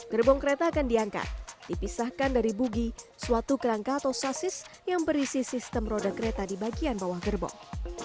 gerbong kereta akan diangkat dipisahkan dari bugi suatu kerangka atau sasis yang berisi sistem roda kereta di bagian bawah gerbong